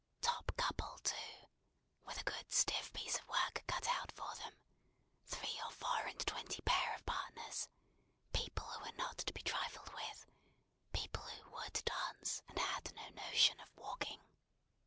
Top couple, too; with a good stiff piece of work cut out for them; three or four and twenty pair of partners; people who were not to be trifled with; people who would dance, and had no notion of walking.